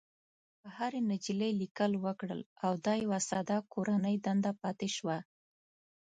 هرې نجلۍ ليکل وکړل او دا يوه ساده کورنۍ دنده پاتې شوه.